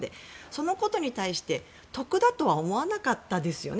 そのことに対して得だとは思わなかったですよね